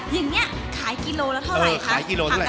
อย่างนี้ขายกิโลเท่าไหร่ค่ะ